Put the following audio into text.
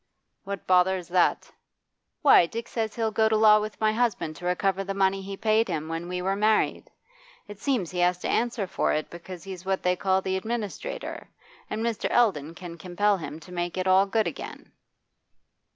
'What bother's that?' 'Why, Dick says he'll go to law with my husband to recover the money he paid him when we were married. It seems he has to answer for it, because he's what they call the administrator, and Mr. Eldon can compel him to make it all good again.